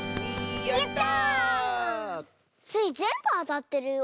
やった！スイぜんぶあたってるよ。